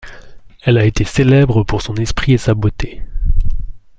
Elle a été célèbre pour son esprit et sa beauté.